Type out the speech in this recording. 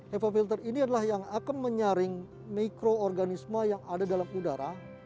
hepa filter ini adalah yang akan menyaring mikroorganisme yang ada dalam udara